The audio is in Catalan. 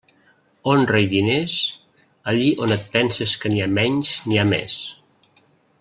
Honra i diners, allí on et penses que n'hi ha menys n'hi ha més.